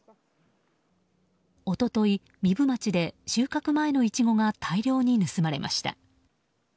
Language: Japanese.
一昨日、壬生町で収穫前のイチゴが大量に盗まれました。